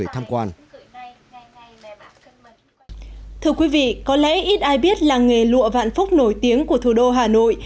thưa quý vị có lẽ ít ai biết làng nghề lụa vạn phúc nổi tiếng của thủ đô hà nội